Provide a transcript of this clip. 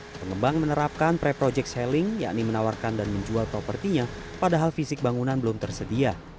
pengembang menerapkan pre project selling yakni menawarkan dan menjual propertinya padahal fisik bangunan belum tersedia